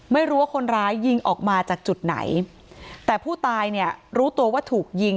ไม่รู้ว่าคนร้ายยิงออกมาจากจุดไหนแต่ผู้ตายเนี่ยรู้ตัวว่าถูกยิง